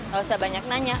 gak usah banyak nanya